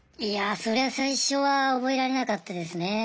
いやぁそれは最初は覚えられなかったですね。